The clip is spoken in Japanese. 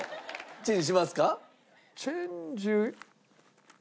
チェンジ。